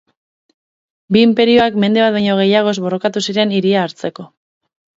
Bi inperioak mende bat baino gehiagoz borrokatu ziren hiria hartzeko.